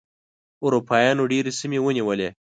اروپایانو ډېرې سیمې ونیولې.